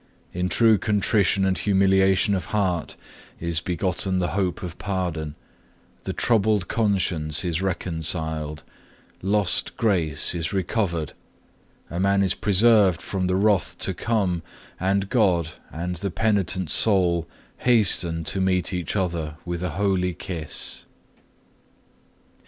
In true contrition and humiliation of heart is begotten the hope of pardon, the troubled conscience is reconciled, lost grace is recovered, a man is preserved from the wrath to come, and God and the penitent soul hasten to meet each other with a holy kiss.